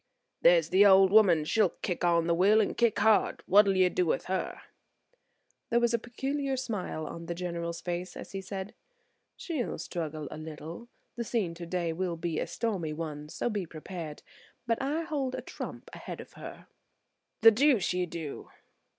"There's the old woman: she'll kick on the will, and kick hard. What'll you do with her?" There was a peculiar smile on the General's face as he said: "She'll struggle a little: the scene today will be a stormy one, so be prepared; but I hold a trump ahead of her." "The deuce you do!"